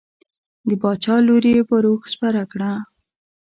د باچا لور یې پر اوښ سپره کړه.